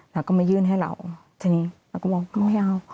แล้วก็มายื่นให้เราทีนี้เราก็บอกก็ไม่เอา